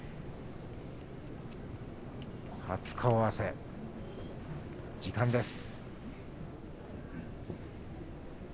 初顔合わせです。